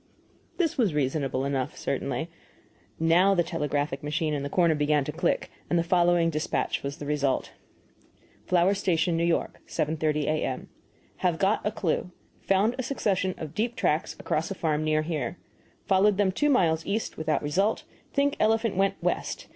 This was reasonable enough, certainly. Now the telegraphic machine in the corner began to click, and the following despatch was the result: FLOWER STATION, N. Y., 7.30 A.M. Have got a clue. Found a succession of deep tracks across a farm near here. Followed them two miles east without result; think elephant went west.